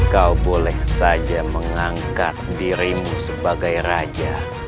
kau boleh saja mengangkat dirimu sebagai raja